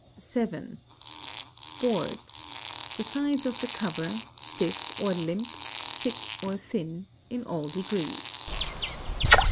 (7) Boards, the sides of the cover, stiff or limp, thick or thin, in all degrees.